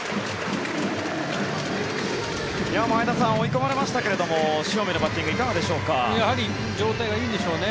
前田さん、追い込まれましたけど塩見のバッティングいかがでしょうか。